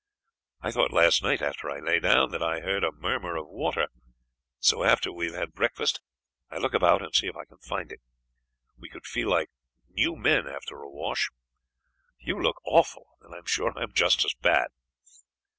I thought last night after I lay down that I heard a murmur of water, so after we have had breakfast I will look about and see if I can find it. We should feel like new men after a wash. You look awful, and I am sure I am just as bad."